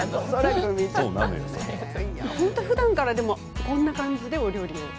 ふだんからこんな感じでお料理を？